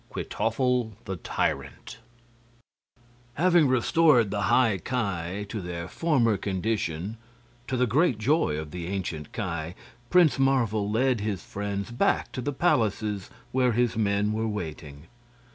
Kwytoffle, the Tyrant Having restored the High Ki to their former condition, to the great joy of the ancient Ki, Prince Marvel led his friends back to the palaces where his men were waiting.